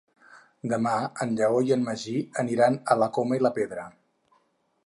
Demà en Lleó i en Magí aniran a la Coma i la Pedra.